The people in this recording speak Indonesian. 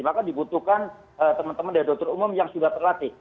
maka dibutuhkan teman teman dari dokter umum yang sudah terlatih